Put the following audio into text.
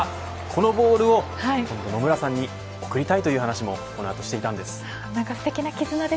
このボールを野村さんに送りたいという話もこの後、していたんです。